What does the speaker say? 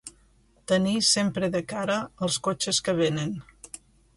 tenir sempre de cara els cotxes que venen